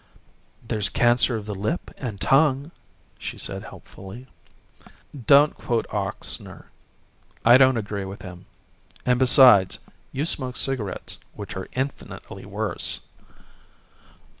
"There's cancer of the lip and tongue," she said helpfully. "Don't quote Ochsner. I don't agree with him. And besides, you smoke cigarettes, which are infinitely worse."